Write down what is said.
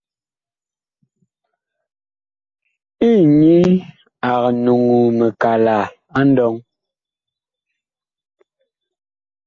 Inyi ag nuŋuu mikala nlɔŋ.